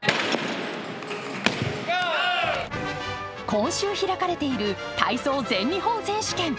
今週開かれている体操全日本選手権。